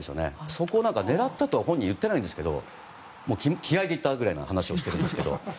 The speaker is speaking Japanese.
そこを狙ったと本人は言ってないんですけど気合でいったぐらいの話をしてるんですけど。